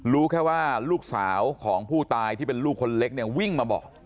รู้แค่ว่าลูกสาวของผู้ตายที่เป็นลูกคนเล็กเนี่ยวิ่งมาบอก